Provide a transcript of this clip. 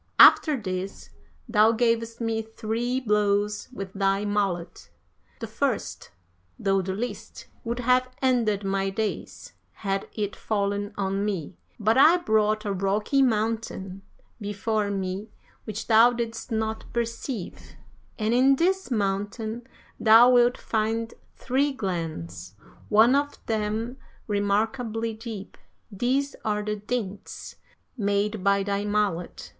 After this, thou gavest me three blows with thy mallet; the first, though the least, would have ended my days had it fallen on me, but I brought a rocky mountain before me which thou didst not perceive, and in this mountain thou wilt find three glens, one of them remarkably deep. These are the dints made by thy mallet.